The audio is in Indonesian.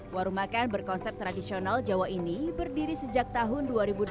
warung makan berkonsep tradisional jawa ini berdiri sejak tahun dua ribu delapan